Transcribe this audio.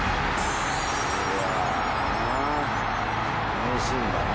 名シーンだね。